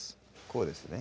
こうですね